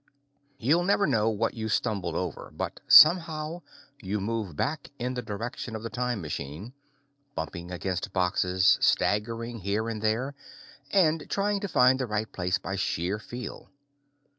You'll never know what you stumbled over, but, somehow, you move back in the direction of the time machine, bumping against boxes, staggering here and there, and trying to find the right place by sheer feel.